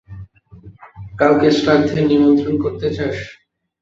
কাউকে শ্রাদ্ধের নিমন্ত্রণ করতে চাস?